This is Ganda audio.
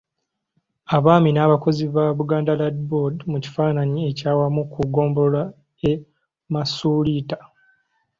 Abaami n’abakozi ba Buganda Land Board mu kifaananyi ekyawamu ku ggombolola e Masuuliita.